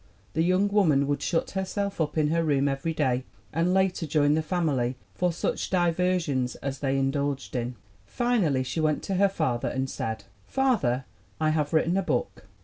The young woman would shut her self up in her room every day and later join the family for such diversions as they indulged in. Finally she went to her father and said: "Father, I have written a book."